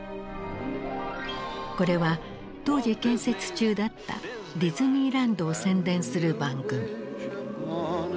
これは当時建設中だったディズニーランドを宣伝する番組。